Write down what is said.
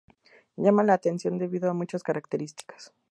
Llama la atención debido a muchas características.